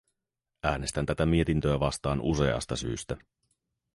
Äänestän tätä mietintöä vastaan useasta syystä.